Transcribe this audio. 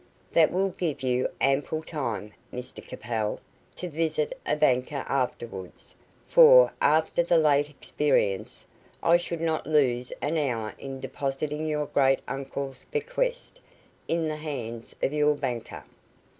"That will give you ample time, Mr Capel, to visit a banker afterwards; for, after the late experience, I should not lose an hour in depositing your great uncle's bequest in the hands of your banker."